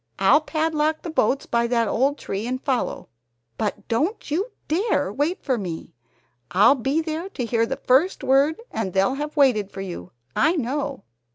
I'll padlock the boats by that old tree and follow, but don't you dare wait for me! I'll be there to hear the first word and they'll have waited for you, I know.